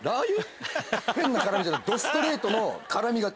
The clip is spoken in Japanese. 変な辛いじゃない。